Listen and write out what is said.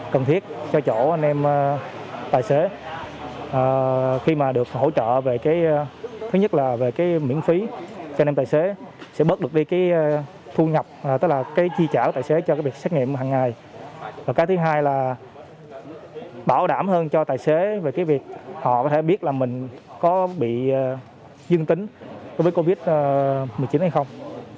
cái thứ hai là bảo đảm hơn cho tài xế về việc họ có thể biết là mình có bị dương tính với covid một mươi chín hay không